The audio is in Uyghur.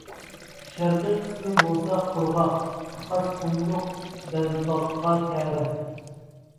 شەرقىي قىسمى بولسا قۇرغاق، قاقاس قۇملۇق بەلباغقا تەۋە.